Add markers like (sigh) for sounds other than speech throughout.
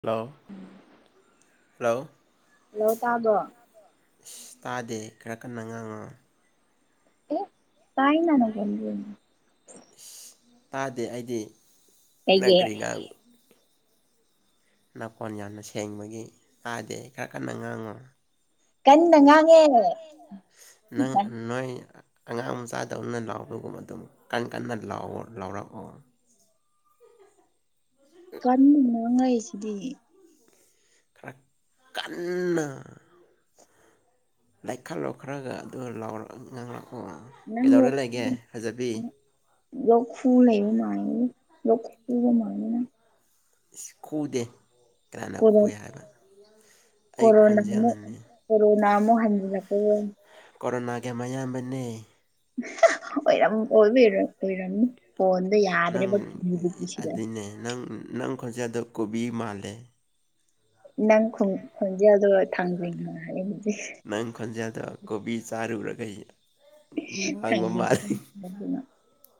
Hello hello ꯂꯣ ꯇꯥꯕꯣ ꯑꯁ ꯇꯥꯗꯦ ꯈꯔ ꯀꯟꯅ ꯉꯥꯡꯉꯣ ꯇꯥꯏꯅꯅꯒꯣꯅꯤ ꯏꯁ ꯇꯥꯗꯦ ꯑꯩꯗꯤ ꯅꯪ ꯀꯩꯒꯤ ꯀ꯭ꯔꯤ ꯉꯥꯡ ꯅꯥꯀꯣꯟ ꯌꯥꯝꯅ ꯁꯦꯡꯕꯒꯤ ꯇꯥꯗꯦ ꯈꯔ ꯀꯟꯅ ꯉꯥꯡꯉꯣ ꯀꯟꯅ ꯉꯥꯡꯉꯦ ꯅꯪ ꯅꯣꯏ ꯑꯉꯥꯡ ꯃꯆꯥꯗꯧꯅ ꯂꯥꯎꯕꯒꯨꯝꯕ ꯑꯗꯨꯝ ꯀꯟꯅ ꯀꯟꯅ ꯂꯥꯛꯑꯣ ꯂꯥꯎꯔꯛꯑꯣ ꯀꯟꯅ ꯃꯉꯥꯏ ꯁꯤꯗꯤ ꯈꯔꯛ ꯀꯟꯅ ꯂꯥꯏꯈꯠꯂꯣ ꯈ꯭ꯔꯒ ꯑꯗꯨꯥꯎꯔ ꯉꯥꯡꯛ ꯑꯣ ꯀꯩꯗꯧꯔ ꯂꯩꯒꯦ ꯐꯖꯕꯤ ꯂꯈꯨ ꯂꯩ ꯃꯥꯅꯤ ꯂꯈ ꯃꯥꯅꯅꯦ ꯀꯗꯦ ꯀꯅꯥꯅ ꯀꯣꯔꯣ ꯈꯨꯏ ꯍꯥꯏꯕ ꯑꯩ ꯀꯣꯔꯣꯅꯥ ꯃ ꯈꯣꯟꯖꯦꯜꯅꯅꯦ ꯀꯣꯔꯣꯅꯥ ꯃꯣꯍꯟ ꯀꯣꯔꯣꯅꯥꯒꯤ ꯃꯌꯥꯝꯕꯅꯤ ꯑꯣꯏꯔꯝ ꯑꯣꯏꯕꯤꯔ ꯑꯣꯏꯔꯝꯅꯤ ꯐꯗ ꯅꯪ ꯌꯥꯗꯅꯦꯄꯤꯁꯤꯗꯦ ꯑꯗꯨꯅꯦ ꯅꯪ ꯅꯪ ꯈꯖꯆꯥꯗ ꯀꯕꯤꯤ ꯃꯥꯂꯦ ꯅꯪ ꯈꯣꯟꯖꯦꯜꯗꯣ ꯊꯥꯡꯗ꯭ꯔꯤꯅ ꯍꯥꯏ ꯅꯪ ꯈꯣꯟꯖꯦꯜꯗꯣ ꯀꯣꯕꯤ ꯆꯥꯔꯨꯔꯒ ꯉꯥꯡꯕ ꯃꯥꯜꯂꯤ ꯪ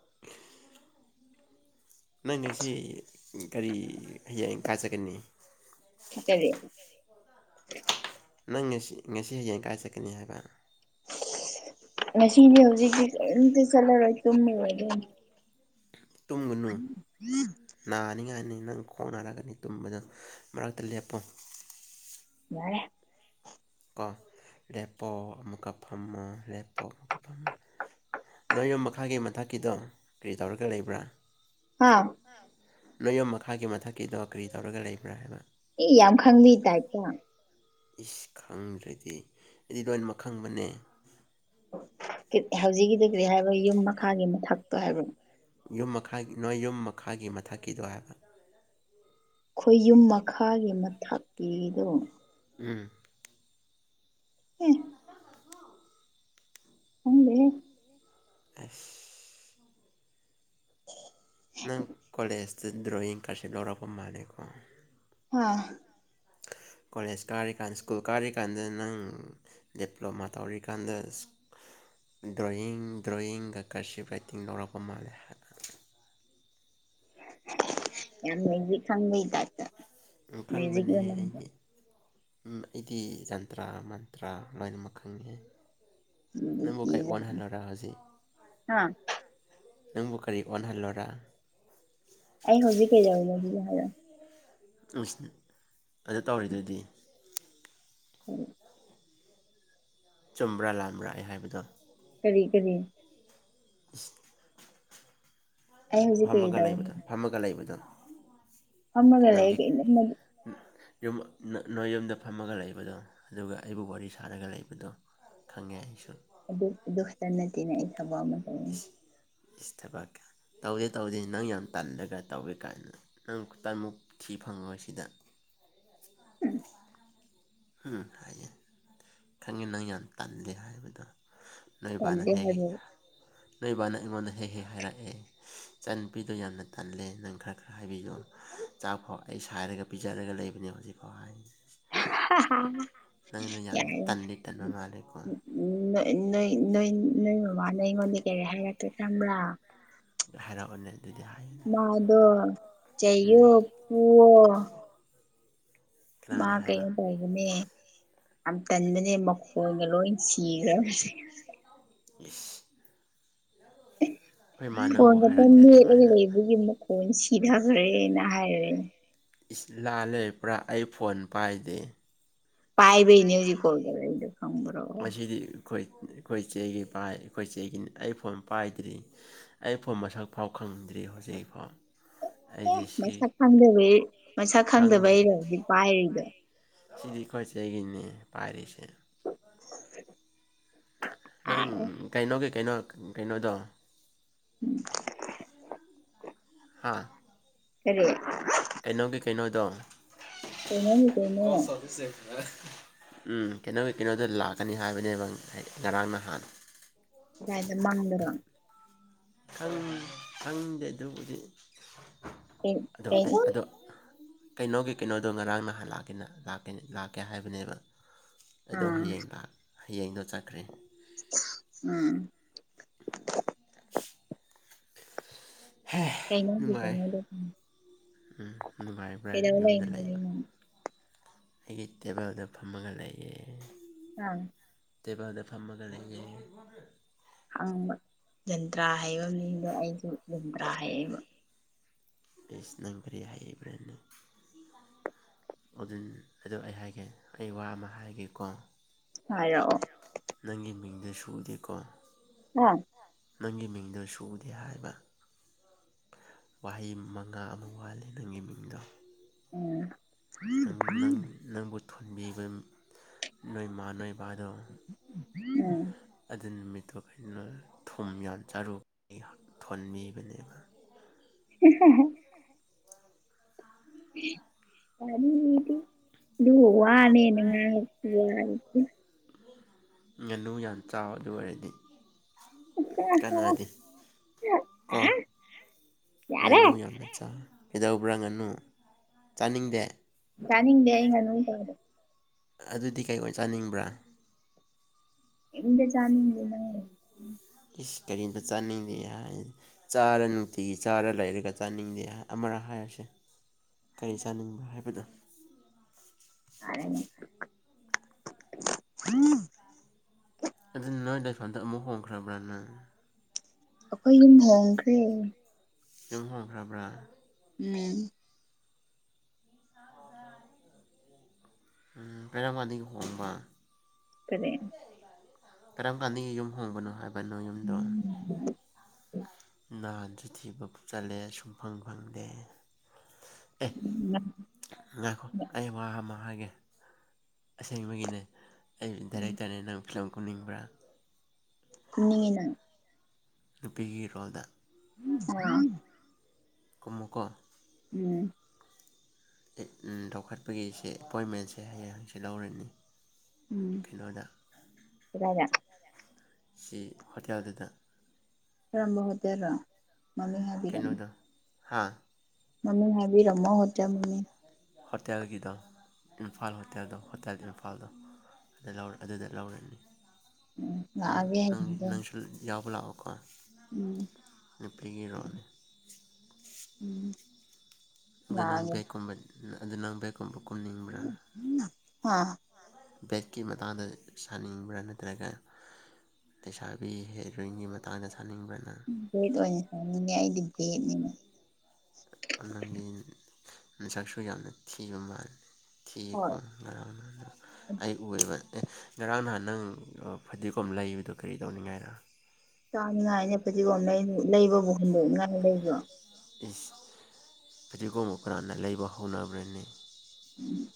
ꯅꯪ ꯉ ꯁꯤ ꯀꯒꯥꯔꯤ ꯍꯌꯦꯡ ꯀꯥꯆꯒꯅꯤ ꯀꯔꯤ (inaudible) ꯅꯪ ꯉꯁꯤ ꯉꯁꯤ ꯍꯌꯦꯡ ꯀꯥꯏ ꯆꯠꯀꯅꯤ ꯍꯥꯏꯕ ꯉꯁꯤꯗꯤ ꯍꯧꯖꯤꯛꯇꯤ ꯑꯝꯇ ꯆꯠꯂꯔꯣꯏ ꯇꯨꯝꯃꯦꯕ ꯑꯗꯨꯝ ꯇꯨꯝꯒꯅꯨ ꯅꯥꯅꯤꯉꯥꯏꯅꯤ ꯅꯪ ꯈꯣꯡꯅꯔꯒꯅꯤ ꯇꯨꯝꯕꯗ ꯃꯔꯛꯇ ꯂꯦꯞꯄꯣ ꯌꯥꯏꯦ ꯀꯣ ꯂꯦꯞꯄꯣ ꯑꯃꯨꯛꯀ ꯐꯝꯃꯣ ꯂꯦꯞꯄꯣ ꯑꯃꯨꯛꯀ ꯐꯝꯃꯣ ꯅꯣꯏ ꯌꯨꯝ ꯃꯈꯥꯒꯤ ꯃꯊꯛꯀꯤꯗꯣ ꯀꯔꯤ ꯇꯧꯔꯒ ꯂꯩꯕ꯭ꯔꯥ ꯑꯥ ꯅꯌꯨꯝ ꯃꯈꯥꯒꯤ ꯃꯊꯛꯀꯤꯗꯣ ꯀꯔꯤ ꯇꯧꯔꯒ ꯂꯩꯕ꯭ꯔꯥ ꯍꯥꯏꯕ ꯑꯦ ꯌꯥꯝ ꯈꯪꯕꯤ ꯇꯥꯏꯇ ꯏꯁ ꯈꯪꯗ꯭ꯔꯗꯤ ꯑꯩꯗꯤ ꯂꯣꯏꯃꯛ ꯈꯪꯕꯅꯦ ꯍꯧꯖꯤꯛꯀꯤꯗꯤ ꯀꯔꯤ ꯍꯥꯏꯕ ꯌꯨꯝ ꯃꯈꯥꯒꯤ ꯃꯊꯛꯇꯣ ꯍꯥꯏꯕꯣ ꯌꯨꯝ ꯃꯈꯥ ꯅꯣꯏ ꯌꯨꯝ ꯃꯈꯥꯒꯤ ꯃꯊꯛꯀꯤꯗꯣ ꯍꯥꯏꯕ ꯈꯣꯏꯌꯨꯝ ꯃꯈꯥꯒꯤ ꯃꯊꯛꯀꯤꯗꯣ ꯎꯝ ꯎꯝ ꯍꯗꯦ ꯑꯁ (inaudible) ꯅꯪ ꯀꯣꯂꯦꯖꯇ ꯗ꯭ꯔꯣꯌꯤꯡ ꯀꯔꯁꯤꯞ ꯂꯧꯔꯛꯄ ꯃꯥꯜꯂꯦꯀꯣ ꯑꯥ (inaudible) ꯀꯣꯂꯦꯖ ꯀꯥꯔꯤꯀꯥꯟꯗ ꯁ꯭ꯀꯨꯜ ꯀꯥꯔꯤꯀꯥꯟꯗ ꯅꯪ ꯗꯤꯄ꯭ꯂꯣꯃꯥ ꯇꯧꯔꯤꯀꯥꯟꯗ ꯗ꯭ꯔꯣꯌꯤꯡ ꯗ꯭ꯔꯣꯌꯤꯡꯒ ꯀꯔꯁꯤꯞ ꯔꯥꯏꯇꯤꯡ ꯂꯧꯔꯛꯄ ꯃꯥꯜꯂꯦ ꯍꯥꯏ ꯌꯥꯝ ꯅꯩꯕꯤ ꯈꯪꯕꯩ ꯇꯥꯏꯞꯇ ꯃꯦꯖꯤꯛꯂ ꯈꯪꯕꯅꯦꯍꯦ ꯅꯪꯕꯣ ꯑꯩꯗꯤ ꯑꯩꯗꯤ ꯖꯟꯇ꯭ꯔꯥ ꯃꯟꯇ꯭ꯔꯥ ꯂꯣꯏꯅꯃꯛ ꯈꯪꯉꯦ ꯅꯪꯕꯨ ꯀꯩ ꯀꯤꯕ꯭ꯔꯥ? ꯑꫭꯟꯍꯜꯂꯨꯔꯥ ꯍꯧꯖꯤꯛ ꯍꯥ ꯅꯪꯕꯨꯨ ꯀꯔꯤ ꯑꯣꯟꯍꯟ ꯂꫭꯔꯥ ꯑꯩ ꯍꯧꯖꯤꯛ ꯀꯩꯗꯧꯕ ꯑꯗꯨꯗꯤ ꯍꯥꯏꯔꯣ ꯏꯁ ꯑꯗ ꯇꯧꯔꯤꯗꯨꯗꯤ ꯎꯝ ꯆꯨꯝꯕ꯭ꯔꯥ ꯂꯥꯟꯕ꯭ꯔꯥ ꯑꯩ ꯍꯥꯏꯕꯗꯣ ꯀꯔꯤ ꯀꯔꯤ (inaudible) ꯑꯩ ꯍꯧꯖꯤꯛ ꯀꯔꯤ ꯐꯝꯃꯒ ꯇꯧꯔꯤꯅꯣ ꯂꯩꯕꯗꯣ ꯐꯝꯃꯒ ꯂꯩꯕꯗꫭ ꯐꯝꯃꯒ ꯂꯩꯒ ꯏꯃꯝ ꯃꯝ ꯌꯨꯝ ꯅꯣꯏ ꯌꯨꯝꯗ ꯐꯝꯃꯒ ꯂꯩꯕꯗꯣ ꯑꯗꯨꯒ ꯑꯩꯕꯨ ꯋꯥꯔꯤ ꯁꯥꯔꯒ ꯂꯩꯕꯗꯣ ꯈꯪꯉꯦ ꯑꯩꯁꯨ ꯑꯗꯨ ꯑꯗꯨ ꯈꯛꯇ ꯅꯠꯇꯦꯅꯦ ꯑꯩ ꯊꯕꯛ ꯑꯃ ꯇꯧꯋꯦ ꯏꯁ ꯏꯁ ꯊꯕꯥꯛ ꯀ ꯇꯧꯗꯦ ꯇꯧꯗꯦ ꯅꯪ ꯌꯥꯝ ꯇꯜꯂꯒ ꯇꯧꯋꯦ ꯀꯥꯏꯅ ꯅꯪ ꯈꯨ ꯇꯟꯃꯨꯛ ꯊꯤ ꯐꯪꯉꯣꯏ ꯁꯤꯗ ꯎꯝ ꯍꯥꯏꯌꯦ ꯈꯪꯉꯦ ꯅꯪ ꯌꯥꯝ ꯇꯜꯂꯦ ꯍꯥꯏꯕꯗꯣ ꯅꫭꯏ ꯕꯥꯅ ꯇꯜꯂꯦ ꯍꯥꯏ ꯍꯩꯒ ꯍꯥꯏꯕꯕꯨ ꯅꫭꯏ ꯕꯥꯅ ꯑꯩꯉꯣꯟꯗ ꯍꯦꯛ ꯍꯦꯛ ꯍꯥꯏꯔꯛꯑꯦ ꯏꯆꯥꯟ ꯅꯨꯨꯄꯤꯗꯣ ꯌꯥꯝꯅ ꯇꯜꯂꯦ ꯅꯪ ꯈꯔ ꯈꯔ ꯍꯥꯏꯕꯤꯌꯣꯥ ꯆꯥ ꯍꯣꯏ ꯑꯩ ꯁꯔꯒ ꯄꯤꯖꯔꯒ ꯂꯩꯕꯅꯦ ꯍꯧꯖꯤꯛꯐꯥꯎ ꯍꯥꯏ ꯅꯪꯅ ꯌꯥꯝ ꯌꯥꯔꯦ ꯇꯟꯗꯤ ꯇꯟꯕ ꯃꯥꯜꯂꯦꯀꯣ ꯎꯝ ꯅꯣꯏ ꯅꯣꯏ ꯅꯣꯏ ꯃꯃꯥꯅ ꯑꯩꯉꯣꯟꯗ ꯀꯔꯤ ꯍꯥꯏꯔꯛꯇꯀꯦ ꯈꯪꯕ꯭ꯔꯥ ꯍꯥꯏꯔ ꯑꫭꯅꯦ ꯃꯥꯗꯣ ꯆꯩꯌꯣ ꯎꯝ ꯐꯨꯋꯣ ꯃꯥ ꯀꯅꯥꯅ ꯍꯥꯏꯕ ꯀꯩꯩꯅꫭ ꯇꯧꯕꯅꯦ ꯑꯥꯡꯀꯟ ꯅꯦ ꯃꯈꯣꯟꯒ ꯂꯣꯏ ꯁꯤꯔꯕꯅꯦ ꯏꯁ ꯑꯩꯈꯣꯏ ꯃꯥ ꯐꯣꯟ ꯅꯪꯕꯨ ꯈꯛꯇ ꯍꯥꯏꯔꯛꯇꯦ ꯃꯦꯠꯂꯒ ꯑꯗꯨꯃꯥꯏꯅ ꯂꯩꯕꯒꯤ ꯃꯈꫭꯟꯗꫭ ꯁꯤ ꯗꯈ꯭ꯔꯦ ꯅ ꯍꯥꯏꯔꯦ ꯏꯁ ꯂꯥ ꯂꯦ ꯑꯩ ꯄꯨꯔꯥ ꯑꯩ ꯐꯣꯟ ꯄꯥꯏꯗꯦ ꯄꯥꯏꯕꯩꯅꯦ ꯍꯧꯖꯤꯛ ꯀꯣꯜ ꯇꯧꯔꯛ ꯏꯗꫭ ꯈꯪꯕ꯭ꯔꯣ ꯈꫭꯏ ꯑꯩꯈꯣꯏ ꯆꯦꯒꯤ ꯄꯥꯏ ꯑꯩꯈꯣꯏ ꯆꯦꯒꯤꯅꯤ ꯑꯩ ꯐꯣꯟ ꯄꯥꯏꯗ꯭ꯔꯤ ꯑꯩ ꯐꯣꯟ ꯃꯁꯛ ꯐꯥꯎ ꯈꯪ ꯉꯝꯗ꯭ꯔꯤ ꯍꯧꯖꯤꯛꯐꯥꯎ ꯑꯩꯗꯤ ꯁꯤ ꯃꯁꯛ ꯈꯪꯗꯕꯩ ꯃꯁꯛ ꯈꯪꯗ꯭ꯔꯤ ꯈꯪꯗꯕꯩꯔꯦ ꯍꯧꯖꯤꯛ ꯄꯥꯏꯔꯤꯗꯣ ꯁꯤꯗꯤ ꯈꯣꯏ ꯆꯦꯒꯤꯅꯦ ꯄꯥꯏꯔꯤꯁꯦ (inaudible) ꯅꯪ ꯀꯔꯤ ꯀꯩꯅꯣꯒꯤ ꯀꯩꯅꯣ ꯀꯩꯅꯣꯗꯣ ꯎꯝ ꯍꯥꯥ ꯀꯔꯤ ꯀꯩꯅꯣꯒꯤ ꯀꯩꯅꯣꯗꯣ ꯀꯩꯅꫭꯒꯤ ꯀꯣꯜ ꯀꯩꯅꫭ ꯁꯥꯔꯚꯤꯁ ꯑꯦꯞ ꯎꯝ ꯀꯩꯅꯣꯒꯤ ꯀꯩꯅꯣꯗ ꯂꯥꯛꯀꯅꯤ ꯍꯥꯏꯕꯅꯦꯕ ꯉꯔꯥꯡ ꯅꯍꯥꯟꯅ ꯀꯥꯏꯗ ꯃꯪꯗꯔꫭ ꯈꯪ ꯈꯪꯗꯦ ꯑꯗꯨꯕꯨꯗꯤ ꯀꯩ ꯑꯗꯣ ꯀꯩ ꯑꯩ ꯑꯗꯣ ꯀꯩꯅꯣꯒꯤ ꯀꯩꯅꯣꯗꯣ ꯉꯔꯥꯡ ꯅꯍꯥꯟ ꯂꯥꯛꯀꯦꯅ ꯂꯥꯛꯀꯦꯅꯦ ꯂꯥꯛꯀꯦ ꯍꯥꯏꯕꯅꯦꯕ ꯑꯗꯣ ꯑꯥ ꯍꯌꯦꯡ ꯂꯥ ꯍꯌꯦꯡꯗꯣ ꯆꯠꯈ꯭ꯔꯦ ꯎꯝ (unintelligible) ꯍꯦ ꯀꯩꯅꫭꯗꯤ ꯅꯨꯡꯉꯥꯏ ꯀꫭꯏꯅꯗꯕꯅꯤ ꯎꯝ ꯅꯨꯡꯉꯥꯏ ꯕ꯭ꯔꯥ ꯌꯨꯝꯗ ꯂꯩꯕ ꯍꯧꯖꯤꯛ ꯑꯩꯒꯤ ꯇꯦꯕꯜꯗ ꯐꯝꯃꯒ ꯂꯩꯌꯦ ꯑꯥ ꯇ‌ꯦꯕꯜꯗ ꯐꯝꯃꯒ ꯂꯩꯌ‌ꯦ ꯍꯪꯕ ꯌ‌ꯦꯟꯇ꯭ꯔꯥ ꯍꯥꯏꯕ ꯃꯤꯡꯗ ꯑꯩꯁꯨ ꯖꯟꯇ꯭ꯔꯥ ꯍꯩꯏꯕ ꯏꯁ ꯅꯪ ꯀꯔꯤ ꯍꯥꯏꯕ꯭ꯔꯅ‌ꯦ ꯑꯗꯨ ꯑꯗꯨ ꯑꯩ ꯍꯥꯏꯒꯦ ꯑꯩ ꯋꯥ ꯑꯃ ꯍꯥꯏꯒꯦꯀꯣ ꯍꯥꯏꯔꯛꯑꯣ ꯑꯗꯨꯁꯨꯨꯗꯤꯀꯣ ꯑꯥ ꯅꯪꯒꯤ ꯃꯤꯡꯗꫭ ꯁꯨꯗꯦ ꯍꯥꯏꯕ ꯋꯥꯍꯩ ꯃꯉꯥ ꯑꯃ ꯋꯥꯠꯂꯦ ꯅꯪꯒꯤ ꯃꯤꯡꯗꯣ ꯎꯝ ꯅꯪ ꯅꯪ ꯅꯪꯕꯨ ꯊꯣꯟꯕꯤꯕ ꯅꯣꯏ ꯃꯥ ꯅꯣꯏ ꯕꯥꯗꫭ ꯑ ꯑꯗꯨ ꯅꯨꯃꯤꯠꯇꫭ ꯑꯩꯅꫭ ꯊꯨꯝ ꯌꯥꯝ ꯆꯥꯔꯨ ꯑꯩ ꯊꯣꯟꯕꯤꯕꯅꯦꯕ (unintelligible) (unintelligible) ꯇꯥꯅꯤꯡꯗ‌ꯦ ꯑꯗꯨꯕꯨ ꯋꯥꯅ‌ꯦꯅ ꯉꯥꯡ ꯉꯥꯅꯨ ꯌꯥꯝ ꯆꯥꯎ ꯑꯗꯨ ꯑꯣꯏꯔꯗꯤ ꯀꯅꯥꯗꯦ ꯀꯣ ꯌꯥꯔꯦ ꯉꯥꯅꯨ ꯌꯥꯝꯅ ꯆꯥꯎ ꯀꯩꯗꯧꯕ꯭ꯔꯥ ꯉꯅꯨ ꯆꯥꯅꯤꯡꯗꯦ ꯆꯥꯅꯤꯡꯗꯦ ꯑꯩ ꯉꯥꯅꯨ ꯆꯕ ꯑꯗꯨꯗꯤ ꯀꯩ ꯑꫭꯏ ꯆꯥꯅꯤꯡꯕ꯭ꯔꯥ ꯏꯪꯇ ꯆꯥꯅꯤꯡꯗ‌ꯦ ꯏꯁ ꯀꯔꯤꯝꯇ ꯆꯥꯅꯤꯡꯗꯦ ꯍꯥꯏ ꯆꯥꯔ ꯅꯨꯡꯇꯤꯒꯤ ꯆꯥꯔ ꯂꯩꯔꯒ ꯆꯥꯅꯤꯡꯗꯦ ꯍꯥꯏ ꯑꯃ ꯍꯥꯏꯔ ꯍꯥꯏꯌꯨꯁ‌ꯦ ꯀꯩꯆꯥꯅꯤꯡꯕꯔ ꯍꯥꯏꯕꯗꫭ (unintelligible) ꯑꯗꯨꯗꯤ ꯅꫭꯏ ꯂꯩꯐꯝꯗ ꯑꯃꯨꯛ ꯍꫭꯡꯈꫪꯕ ꯅꯪ ꯑꯩꯈꯣꯏ ꯌꯨꯝ ꯍꯣꯡꯈ꯭ꯔꯦ ꯌꯨꯝ ꯍꫭꯡꯈ꯭ꯔꯕ ꯑꯝ ꯑꯝ ꯄꯦꯔꯥꯡꯗꯤ ꯍꯣꯡꯕ ꯀꫪꯤ ꯀꯔꯝ ꯀꯥꯟꯗꯒꯤ ꯌꯨꯝ ꯍꯣꯡꯕꯅꯣ ꯍꯥꯏꯕꯅꯣ ꯅꫭꯏ ꯌꯨꯝꯗꯣ ꯅꯗꯨꯗꯤ ꯊꯤꯕ ꯆꯠꯂꯦ ꯁꯨꯡꯐꯪ ꯐꯪꯗꯦ ꯑꯦ ꯉꯥꯏꯈꯣ ꯑꯩ ꯋꯥ ꯑꯃ ꯍꯥꯏꯒꯦ ꯑꯁꯦꯡꯕꯒꯤꯅꯦ ꯑꯩ ꯗꯥꯏꯔꯦꯛ ꯗꯥꯏꯔ‌ꯦꯛ ꯅꯪ ꯐꯤꯂꯝ ꯀꯨꯅꯤꯡꯕ꯭ꯔꯥ ꯀꯨꯅꯤꯡꯉꯤꯅ ꯅꯨꯄꯤꯒꯤ ꯔꯣꯜꯗ ꯍꫭꯏ ꯀꯨꯝ ꯃꫭꯀꯣ ꯎꯝ ꯂꯧꯈꯠꯄꯒꯤꯁꯦ ꯑꯦꯄꯣꯏ ꯃꯦꯟꯁꯦ ꯍꯌꯦꯡ ꯍꯪꯆꯤꯠ ꯂꯧꯔꯅꯤ ꯎꯝ ꯀꯩꯅꯣꯗ ꯀꯗꯥꯏꯗ ꯁꯤ ꯍꯣꯇꯦꯜꯗꯨꯗ ꯀꯔꯝꯕ ꯍꯣꯠꯇꯦꯂꯣ ꯃꯃꯤꯡ ꯍꯥꯏꯕꯤꯔꯝꯃꯣ ꯍꯥꯥ ꯃꯃ ꯍꯥꯏꯕꯤ ꯔꯃꯣꯇ ꯃꯃꯤ ꯍꯣꯇꯦꯜꯒꯤꯗ ꯏꯝꯐꯥꯜ ꯍꯣꯇꯦꯜꯗ ꯍꯣꯇꯦꯜ ꯏꯝꯐꯥꯜꯗ ꯑꯗꯨꯗ ꯂꯧꯔꯅꯤ ꯎꯝ ꯂꯥꯛꯑꯒꯦ ꯅꯪ ꯍꯌꯦꯡꯗꯣ ꯅꯪꯁꯨ ꯌꯥꯎ ꯈꯂꯥꯎꯀ ꯎꯝ ꯅꯨꯄꯤꯒꯗꯒꯤ ꯔꯣꯂꯦ ꯎꯝ ꯑꯗꯨ ꯅꯪ ꯂꯥꯛꯑꯒꯦ ꯕꯦꯛꯀꯨꯝꯕ ꯑꯗꯨ ꯅꯪ ꯕꯦꯛꯀꯨꯝꯕ ꯀꯨꯟꯅꯤꯡꯕ꯭ꯔꯥ ꯑꯥ ꯕꯦꯦꯛꯀꯤ ꯃꯇꯥꯡꯗ ꯁꯥꯅꯤꯡꯕ꯭ꯔꯥ ꯅꯠꯇ꯭ꯔꯒ ꯂꯩꯁꯥꯕꯤ ꯍꯦꯔꯤꯡꯒꯤ ꯃꯇꯥꯡꯗ ꯆ ꯦꯠ ꯋꯥꯅꯤ ꯁꯅꯦ ꯑꯩꯗꯤ ꯚꯦꯠꯅꯤꯅꯦ ꯅꯪꯒꯤ ꯃꯤꯁꯥꯛꯁꯨ ꯌꯥꯝꯅ ꯊꯤꯕ ꯃꯥꯜꯂꯤꯦ ꯍꯣꯏ ꯊꯤꯀꯣ ꯑꯩ ꯎꯕ ꯑꯦ ꯉꯔꯥꯡ ꯅꯍꯥꯟ ꯅꯪ ꯐꯗꯤꯒꯣꯝ ꯂꯩꯕꯗꯣ ꯀꯔꯤ ꯇꯧꯅꯤꯡꯉꯥꯏꯔ ꯆꯥꯅꯤꯉꯥꯏꯅꯦ ꯐꯖꯤꯒꯣꯝ ꯅ ꯂꯩꯕꯕꯨ ꯍꯟꯗꯣꯛꯅꯤꯡꯉꯥꯏ ꯂꯩꯕ꯭ꯔꯥ ꯏꯁ ꯐꯔꯤꯒꯣꯝꯕ ꯀꯔꯅ ꯂꯩꯕ ꯍꯧꯅꯕ꯭ꯔꯅꯤ ꯎꯝ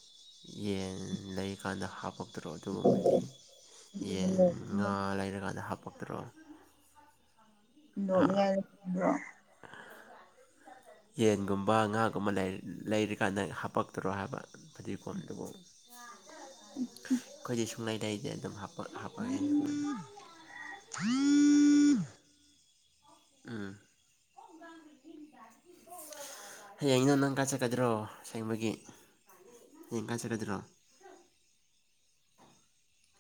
ꯌꯦꯟ ꯂꯩꯀꯥꯟꯗ ꯍꯥꯞꯄꯛ ꯍꯥꯞꯇ꯭ꯔꯣ ꯑꯗꯨꯒꯨꯝꯕꯗꯤ ꯌꯦꯟ ꯍꯨꯟꯗꯣꯛ ꯉꯥ ꯂꯩꯔꯀꯥꯟꯗ ꯍꯥꯞ ꯄꯠꯇ꯭ꯔ ꯣꯉ꯭ꯔꯣ ꯌꯦꯟꯒꯨꯝꯕ ꯉꯥꯒꯨꯝꯕ ꯂꯩꯔꯤꯀꯥꯟꯗ ꯍꯥꯄꯛꯇꯔꯣ ꯍꯥꯏꯕ ꯐꯗꯤꯒꯣꯝ ꯑꯗꯨꯕꯨ ꯑꯩꯈꯣꯏꯗꯤ ꯁꯨꯡꯂꯩ ꯂꯩꯁꯦ ꯑꯗꯨꯝ ꯍꯥꯄꯑꯦ ꯎꯝ ꯍꯌꯦꯡ ꯅ ꯅꯪ ꯀꯥ ꯆꯠꯀꯗ꯭ꯔꯣ ꯁꯦꯡꯕꯒꯤ ꯍꯌꯦꯡ ꯀꯥ ꯆꯠꯀꯗ꯭ꯔꯣ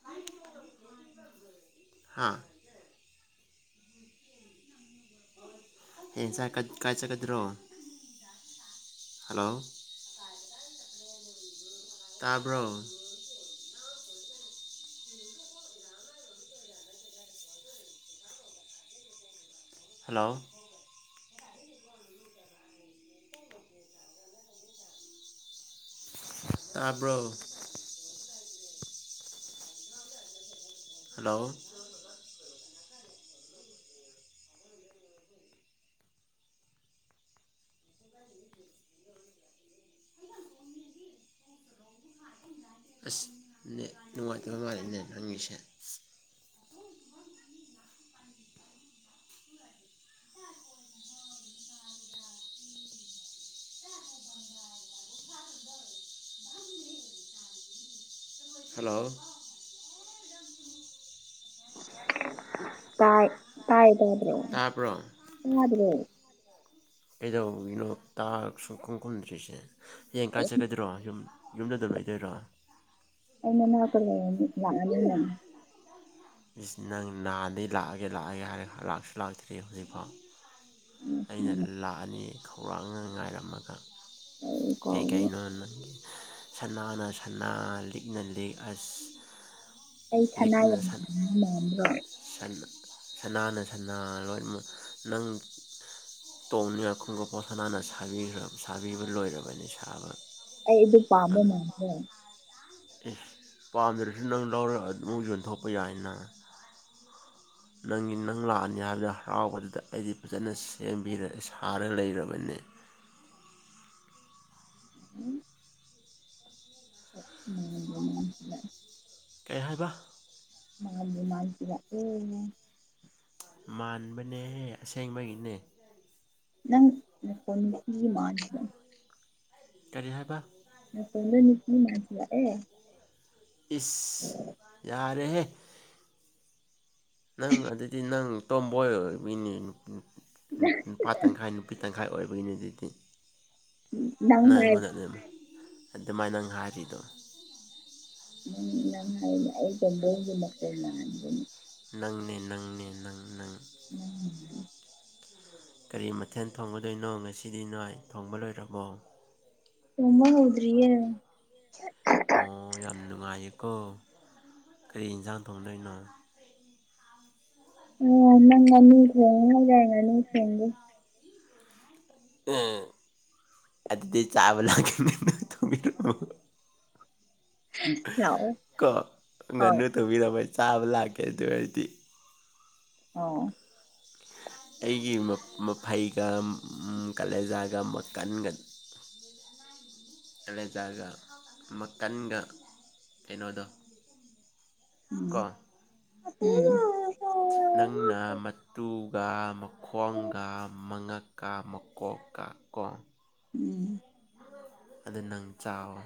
ꯑ ꯍꯥꯥ ꯍꯌꯦꯟꯁꯥꯏ ꯀꯥꯏꯆꯠꯀꯗ꯭ꯔꯣ ꯍꯂꯣ ꯇꯥꯕ꯭ꯔꯣ ꯍꯂꯣ ꯇꯥꯕ꯭ꯔꯣ ꯍꯂꯣ ꯑꯁ ꯅ ꯅꯨꯡꯉꯥꯏꯇꯕ ꯅꯨꯡꯉꯥꯏꯔꯦꯅꯦ ꯅꯪꯉꯁꯦ ꯍꯂꯣ ꯇꯥꯏ ꯇꯥꯏ ꯇꯥꯗ꯭ꯔꯣ ꯇꯥꯕ꯭ꯔꯣ ꯇꯥꯗ꯭ꯔꯣ ꯀꯩꯗꯧꯅꯣꯇ ꯁ ꯈꯣꯡ ꯈꯣꯗ꯭ꯔꯤꯁꯦ ꯍꯌꯦꯡ ꯀꯥꯏ ꯑꯩ ꯆꯠꯀꯗ꯭ꯔꯣ ꯌꯨꯝ ꯌꯨꯝꯗ ꯑꯗꯨꯝ ꯂꯩꯇꯣꯏꯔꯣ ꯑꯩꯅꯟꯅ ꯂ ꯅꯪ ꯅꯥꯗꯒꯤꯩ ꯂꯥꯛꯑꯒꯦ ꯂꯥꯛꯑꯒꯦ ꯍꯥꯏꯔ ꯂꯥꯛꯁꯨ ꯂꯥꯛꯇ꯭ꯔꯤ ꯍꯧꯖꯤꯛꯐꯥꯎ ꯑꯩꯅ ꯂꯥꯛꯑꯅꯤ ꯈꯧꯔꯥꯡꯅ ꯉꯥꯏꯔꯝꯃꯒ ꯑꯩ ꯀꯩ ꯀꯥꯏ ꯀꯥꯎꯏ ꯅꯅꯨꯡꯥꯟ ꯁꯅꯥꯅ ꯁ ꯂꯤꯛꯅ ꯂꯤꯛ ꯑꯁ ꯑꯩ ꯁꯅꯥ ꯂꯤꯛꯅ ꯁꯟ ꯌꯥꯝꯥꯃꯤ ꯃꯗ꯭ꯔꯣꯏ ꯁꯟ ꯁꯅꯥꯅ ꯁꯅꯥ ꯂꯣꯏ ꯅꯪ ꯇꯣꯡꯅ ꯌꯥꯈꯣꯡꯒ ꯄꯣꯠꯁ ꯟꯅ ꯁꯥꯕꯤꯈ꯭ꯔ ꯁꯥꯕꯤꯕ ꯂꯣꯏꯔꯕꯅꯤ ꯁꯥꯕ ꯑꯩ ꯑꯗꯨ ꯄꯥꯝꯕ ꯃꯥꯗ꯭ꯔꯦ ꯄꯥꯝꯗꯔꯁꯨ ꯅꯪ ꯂꯧꯔ ꯑꯃꯁꯨ ꯑꯣꯏꯅꯊꯣꯛꯄ ꯌꯥꯏꯟꯅꯪ ꯅꯪꯒꯤ ꯅꯪ ꯂꯥꯛꯑꯅꯤ ꯍꯥꯏꯕꯗ ꯍꯔꯥꯎꯕꯗꯨꯗ ꯑꯩꯗꯤ ꯐꯖꯅ ꯁꯦꯝꯕꯤꯔ ꯁꯥꯔ ꯂꯩꯔꯕꯅꯤ (unintelligible) ꯎꯝ ꯀꯩ ꯍꯥꯏꯕ ꯃꯥꯥꯟꯦ ꯃꯥꯥꯟꯇꯔ ꯑꯦ ꯃꯥꯟꯕꯅꯦꯍ ꯑꯁꯦꯡꯕꯒꯤꯅꯦ ꯅꯪꯀ ꯃꯥꯅꯤꯅꯦ ꯀꯔꯤ ꯍꯥꯏꯕ ꯑ ꯁꯣꯗ ꯃꯤꯄꯤ ꯃꯥꯁꯤ ꯑꯦ ꯏꯁ ꯌꯥꯔꯦꯦ ꯅꯪ ꯑꯗꯨꯗꯤ ꯅꯪ ꯇꯣꯝꯕꯣꯏꯅꯤ ꯅꯨꯄꯥ ꯇꯪꯈꯥꯏ ꯅꯨꯄꯤ ꯇꯪꯈꯥꯏ ꯇꯪꯈꯥꯏ ꯑꯣꯏꯕꯒꯤꯅꯤ ꯑꯗꯨꯗꯤ ꯅꯪ ꯏ ꯍꯥꯏ ꯃꯣꯗꯠꯅꯦꯕ ꯑꯗ ꯃꯥꯏꯅꯥꯪꯒꯥꯔꯤꯗ ꯎꯝ ꯅꯪ ꯍꯥꯏ ꯑꯩ ꯣꯏꯒꯤ ꯃꯛꯅ ꯅꯪꯒ ꯅꯪꯅꯦ ꯅꯪꯅꯦ ꯅꯪ ꯅ ꯎꯝ ꯀꯔꯤ ꯃꯊꯦꯜ ꯊꯣꯡꯒꯗꯣꯏꯅꯣ ꯉꯁꯤꯗꯤ ꯅꯣꯏ ꯊꯣꯡꯕ ꯂꯣꯏꯔꯕꯣ ꯁꯃꯕꯨꯗꯔꯤꯌꯦꯦ ꯑꯣ ꯌꯥꯝ ꯅꯨꯡꯉꯥꯏꯌꯦꯀꯣ ꯀꯔꯤ ꯌꯦꯟꯁꯥꯡ ꯊꯣꯡꯗꯩꯅꯣ ꯑ ꯅꯪꯅ ꯊꯣꯡꯉꯅꯅꯤ ꯊꯣꯡꯒꯦ ꯑꯗꯤꯗꯤ ꯆꯥꯕꯂ ꯀꯅ ꯊꯃꯤ ꯂꯥꯛꯑꯣ ꯀ ꯍꯣꯏ ꯉꯅ ꯇꯕꯤ ꯅꯃꯥꯏ ꯆꯥꯕ ꯂꯥꯛꯀꯦ ꯑꯗꯨ ꯍꯥꯏꯗꯤ ꯑ ꯑꯩꯒꯤ ꯃꯐꯩꯒ ꯀꯥꯂꯦꯖꯥꯒ ꯀꯟꯒ ꯑꯦꯂꯦꯖꯥꯒ ꯃꯈꯀꯟꯒ ꯑꯦꯩꯅꯣꯗ ꯎꯝ ꯅꯪꯅ ꯃꯇꯨꯒ ꯃꯈꯣꯡꯒ ꯃꯉꯛ ꯀꯥ ꯃꯀꯣ ꯀꯥ ꯀ ꯎꯝ ꯎꯝ ꯑꯗꯨ ꯅꯪ ꯆꯥꯎꯋ